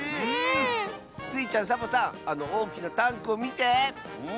スイちゃんサボさんあのおおきなタンクをみて！